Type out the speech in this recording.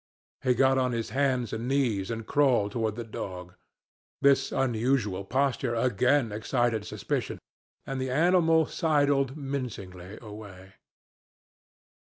He got on his hands and knees and crawled toward the dog. This unusual posture again excited suspicion, and the animal sidled mincingly away.